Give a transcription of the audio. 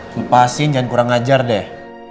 lepasin jangan kurang ngajar deh